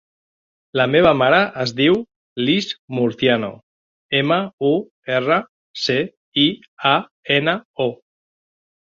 La meva mare es diu Lis Murciano: ema, u, erra, ce, i, a, ena, o.